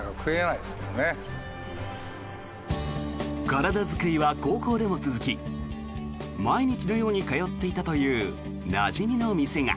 体作りは高校でも続き毎日のように通っていたというなじみの店が。